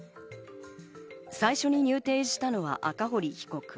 最初に入廷したのは赤堀被告。